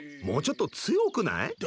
もうちょっと強くない？